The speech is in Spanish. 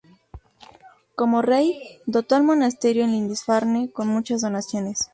Como rey, dotó al monasterio en Lindisfarne con muchas donaciones.